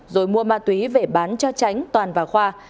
rồi mua ma túy về bán cho tránh toàn và khoa